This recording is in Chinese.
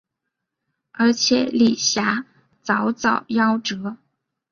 而且李遐早早夭折。